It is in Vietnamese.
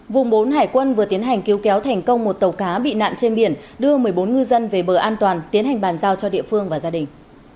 vùng bốn hải quân vừa tiến hành cứu kéo thành công một tàu cá bị nạn trên biển đưa một mươi bốn ngư dân về bờ an toàn tiến hành bàn giao cho địa phương và gia đình